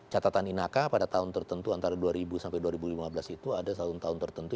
catatan inaka pada tahun tertentu antara dua ribu sampai dua ribu lima belas itu ada tahun tahun tertentu